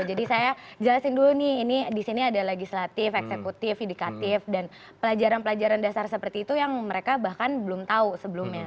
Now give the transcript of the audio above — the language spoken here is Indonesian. jadi saya jelasin dulu nih ini di sini ada legislatif eksekutif indikatif dan pelajaran pelajaran dasar seperti itu yang mereka bahkan belum tahu sebelumnya